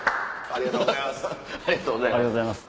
ありがとうございます。